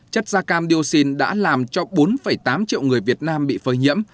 chất da cam dioxin đã làm cho bốn tám triệu người việt nam bị phơi nhiễm